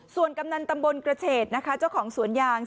ส่วนกำนันตำบลกระเฉดนะคะเจ้าของสวนยาง